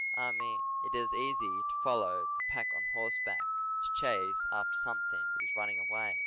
Ah, me! it is easy to follow the pack on horseback — to chase after some thing that is running away.